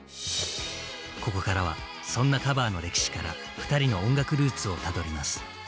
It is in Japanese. ここからはそんなカバーの歴史から２人の音楽ルーツをたどります。